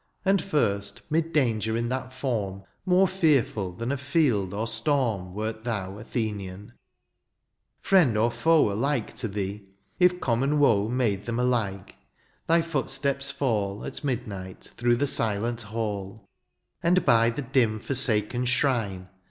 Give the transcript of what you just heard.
And first, 'mid danger in that form. More fearful than of field or storm, Wert thou, Athenian : firiend or foe Alike to thee, if common woe Made them alike— thy footsteps fell. At midnight, through the silent hall ; And by the dim forsaken shrine.